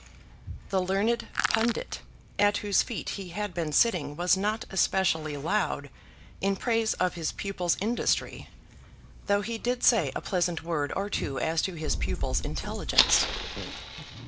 The learned pundit at whose feet he had been sitting was not especially loud in praise of his pupil's industry, though he did say a pleasant word or two as to his pupil's intelligence.